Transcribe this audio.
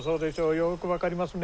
よく分かりますね。